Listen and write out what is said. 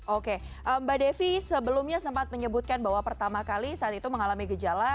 oke mbak devi sebelumnya sempat menyebutkan bahwa pertama kali saat itu mengalami gejala